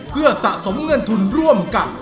เพื่อสะสมเงินทุนร่วมกัน